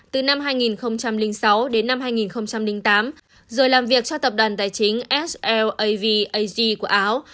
từ năm hai nghìn sáu đến năm hai nghìn tám rồi làm việc cho tập đoàn tài chính sl avag của áo